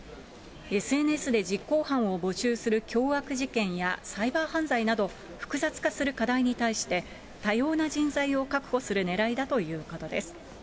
ＳＮＳで実行犯を募集する凶悪事件やサイバー犯罪など、複雑化する課題に対して、多様な人材を確保するねらいだということです。